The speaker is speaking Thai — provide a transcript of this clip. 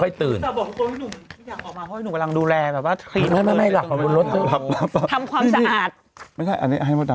อยากกำลังดูแลประทานความสะอาด